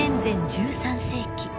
１３世紀